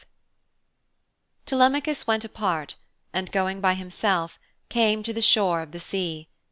V Telemachus went apart, and, going by himself, came to the shore of the sea.